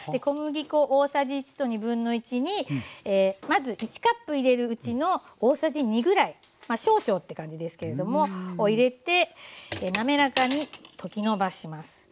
小麦粉大さじ１と1/2にまず１カップ入れるうちの大さじ２ぐらいまあ少々って感じですけれども入れてなめらかに溶きのばします。